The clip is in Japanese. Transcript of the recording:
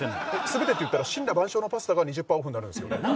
全てって言ったら森羅万象のパスタが２０％オフになるんですよね何？